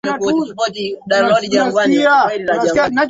taifa au katika sheria mahsusi lakini nchi nyingine hazina sheria